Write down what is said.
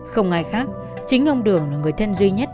không ai khác chính ông đường là người thân duy nhất